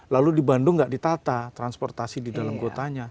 lalu di bandung nggak ditata transportasi di dalam kotanya